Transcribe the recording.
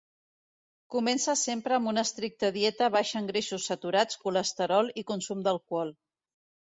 Comença sempre amb una estricta dieta baixa en greixos saturats, colesterol i consum d'alcohol.